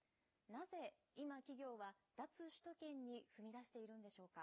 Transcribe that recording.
なぜ今、企業は脱首都圏に踏み出しているんでしょうか。